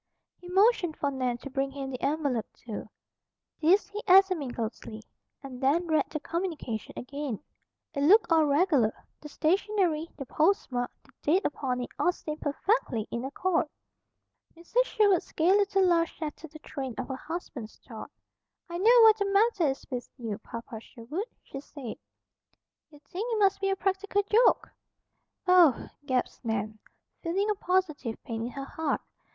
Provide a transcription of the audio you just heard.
He motioned for Nan to bring him the envelope, too. This he examined closely, and then read the communication again. It looked all regular. The stationery, the postmark, the date upon it, all seemed perfectly in accord. Mrs. Sherwood's gay little laugh shattered the train of her husband's thought. "I know what the matter is with you, Papa Sherwood," she said. "You think it must be a practical joke." "Oh!" gasped Nan, feeling a positive pain at her heart.